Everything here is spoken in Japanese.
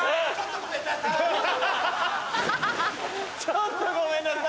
「ちょっとごめんなさい」。